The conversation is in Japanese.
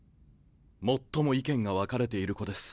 最も意見が分かれている子です。